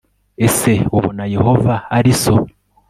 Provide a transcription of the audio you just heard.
Ese ubona ko Yehova ari So